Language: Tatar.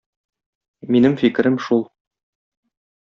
Минем фикерем шул.